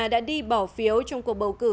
đã đi bỏ phiếu trong cuộc bầu cử